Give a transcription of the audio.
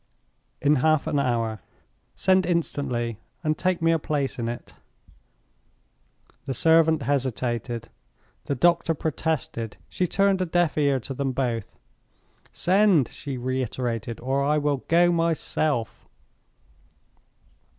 "In half an hour." "Send instantly and take me a place in it!" The servant hesitated, the doctor protested. She turned a deaf ear to them both. "Send!" she reiterated, "or I will go myself."